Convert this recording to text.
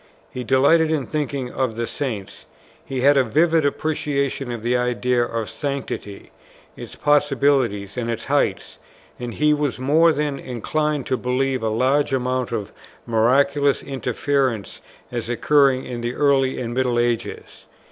He delighted in thinking of the Saints; he had a vivid appreciation of the idea of sanctity, its possibility and its heights; and he was more than inclined to believe a large amount of miraculous interference as occurring in the early and middle ages.